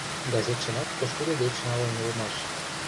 Газетшымат пошкудо деч налын улмаш.